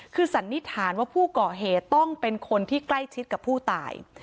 คือสันนิษฐานว่าผู้ก่อเหตุต้องเป็นคนที่ใกล้ชิดกับผู้ตาย